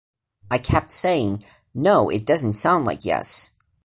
I kept saying, 'No, it doesn't sound like Yes.